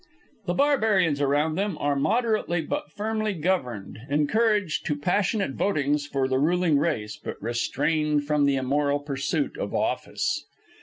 The barbarians around them are moderately but firmly governed, encouraged to passionate votings for the ruling race, but restrained from the immoral pursuit of office.